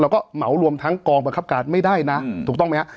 เราก็เหมารวมทั้งกองประคับการณ์ไม่ได้น่ะอืมถูกต้องไหมฮะ